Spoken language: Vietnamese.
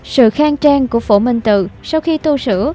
sự khang trang của phổ minh tự sau khi tu sửa